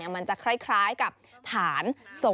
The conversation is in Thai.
มันจะคล้ายกับฐานศพ